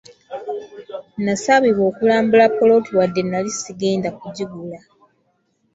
Nasabibwa okulambula ppoloti wadde nali sigenda kugigula.